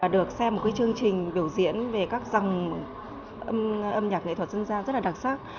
được xem một cái chương trình biểu diễn về các dòng âm nhạc nghệ thuật dân gian rất là đặc sắc